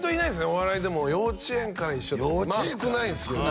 お笑いでも幼稚園から一緒ってまあ少ないですけどね